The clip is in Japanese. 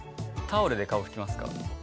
タオルで拭きます